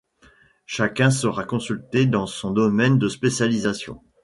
Chacun sera consulté dans son domaine de spécialisation.